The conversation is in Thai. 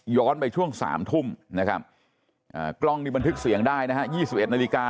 ย้อนไปช่วง๓ทุ่มนะครับกล้องมันถึงเสียงได้นะ๒๑นาฬิกา